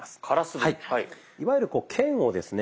いわゆる剣をですね